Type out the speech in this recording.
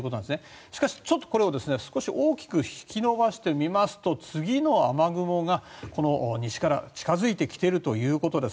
しかし、これを大きく引き伸ばしてみますと次の雨雲が西から近づいてきているということです。